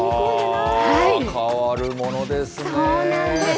変わるものですねぇ。